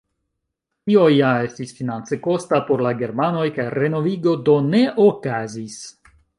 Tio ja estis finance kosta por la germanoj kaj renovigo do ne okazis.